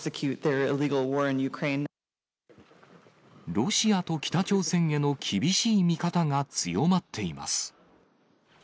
ロシアと北朝鮮への厳しい見方が強まっています。